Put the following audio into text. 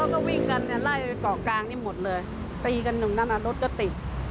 แล้วก็วิ่งกันจะไหลก่อกลางไปหมดเลยตีกันหนึ่งรถก็ติด